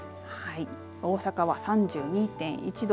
大阪は３２．１度。